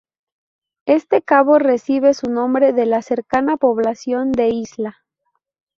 Este cabo recibe su nombre de la cercana población de Isla.